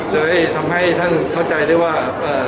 เลยทำให้ท่านเข้าใจได้ว่า